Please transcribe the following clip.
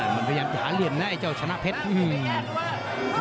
มันพยายามจะหาเหลี่ยมนะไอ้เจ้าชนะเพชร